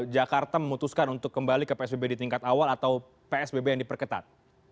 jakarta memutuskan untuk kembali ke psbb di tingkat awal atau psbb yang diperketat